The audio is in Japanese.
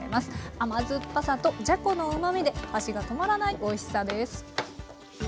甘酸っぱさとじゃこのうまみで箸が止まらないおいしさです。